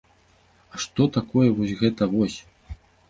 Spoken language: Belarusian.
А што такое вось гэта вось?